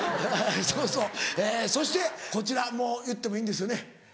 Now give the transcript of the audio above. そうそうそしてこちらもう言ってもいいんですよね？